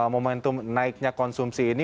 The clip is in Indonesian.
momentum naiknya konsumsi ini